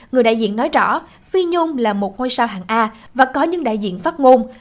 người đại diện nói rõ phi nhung là một ngôi sao hàng a và có những đại diện phát ngôn